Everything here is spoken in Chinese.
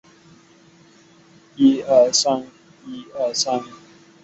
南坛县是越南革命家潘佩珠和胡志明的故乡。